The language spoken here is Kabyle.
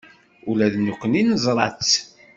Ula d nekkni neẓra-tt.